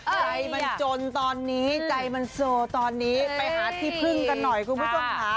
ใจมันจนตอนนี้ใจมันโซตอนนี้ไปหาที่พึ่งกันหน่อยคุณผู้ชมค่ะ